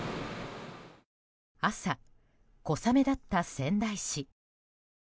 朝、小雨だった仙台市。